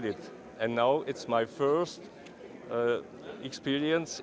dan sekarang ini adalah pengalaman pertama saya